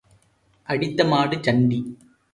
அடித்த மாடு சண்டி.